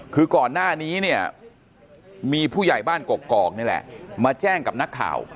คือก่อนหน้านี้เนี่ยมีผู้ใหญ่บ้านกกอกนี่แหละมาแจ้งกับนักข่าว